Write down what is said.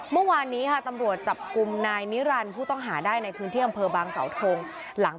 เมื่อวานนี้ค่ะตำรวจจับกลุ่มนายนิรันดิ์ผู้ต้องหาได้ในพื้นที่อำเภอบางสาวทงหลัง